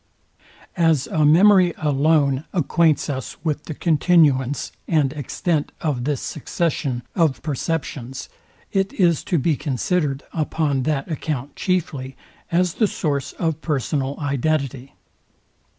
As a memory alone acquaints us with the continuance and extent of this succession of perceptions, it is to be considered, upon that account chiefly, as the source of personal identity.